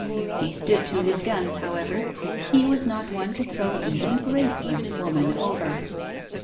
He stood to his guns, how ever, he was not one to throw even a graceless woman over.